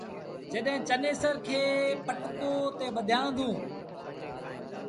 جڏهيݩ چنيسر کي پٽڪو تي ٻڌآيآندون۔